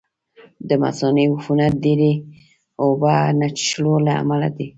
د مثانې عفونت ډېرې اوبه نه څښلو له امله دی.